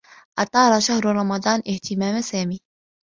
أثار شهر رمضان اهتمام سامي.